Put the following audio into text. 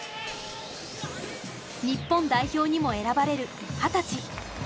日本代表にも選ばれる二十歳。